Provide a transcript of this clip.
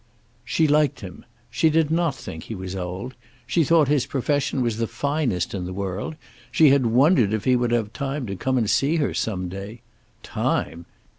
She liked him. She did not think he was old. She thought his profession was the finest in the world. She had wondered if he would have time to come and see her, some day. Time!